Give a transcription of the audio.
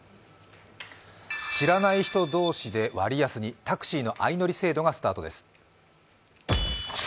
知らない人同士で割安に、タクシーの相乗り制度がスタートです。